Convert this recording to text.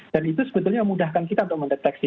dan itu sebetulnya memudahkan kita untuk mendeteksi